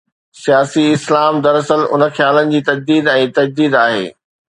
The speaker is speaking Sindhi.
’سياسي اسلام‘ دراصل ان خيال جي تجديد ۽ تجديد آهي.